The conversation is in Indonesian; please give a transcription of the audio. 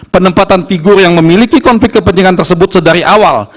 penempatan figur yang memiliki konflik kepentingan tersebut sedari awal